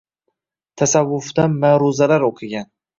Tasavvufdan ma’ruzalar o‘qigan.